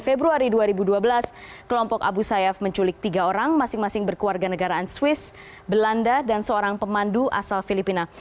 februari dua ribu dua belas kelompok abu sayyaf menculik tiga orang masing masing berkeluarga negaraan swiss belanda dan seorang pemandu asal filipina